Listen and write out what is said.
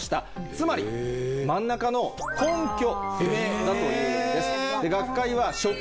つまり真ん中の根拠不明だということです。